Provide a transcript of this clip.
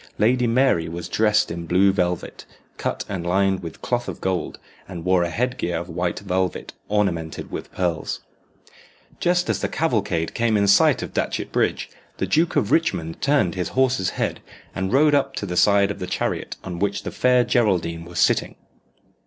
Lady Mary was dressed in blue velvet, cut and lined with cloth of gold, and wore a headgear of white velvet, ornamented with pearls. Just as the cavalcade came in sight of Datchet Bridge, the Duke of Richmond turned his horse's head, and rode up to the side of the chariot on which the Fair Geraldine was sitting.